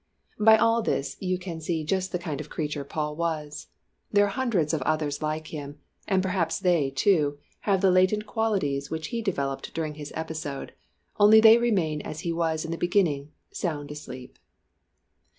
By all this you can see just the kind of creature Paul was. There are hundreds of others like him, and perhaps they, too, have the latent qualities which he developed during his episode only they remain as he was in the beginning sound asleep.